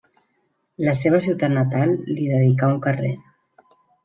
La seva ciutat natal li dedicà un carrer.